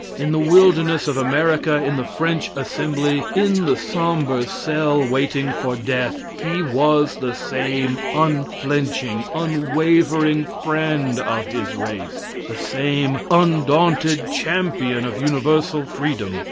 In the wilderness of America, in the French assembly, in the sombre cell waiting for death, he was the same unflinching, unwavering friend of his race; the same undaunted champion of universal freedom.